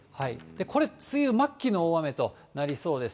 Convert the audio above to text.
これ、梅雨末期の大雨となりそうです。